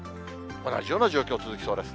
同じような状況、続きそうです。